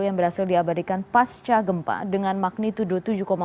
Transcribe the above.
yang berhasil diabadikan pasca gempa dengan magnitudo tujuh empat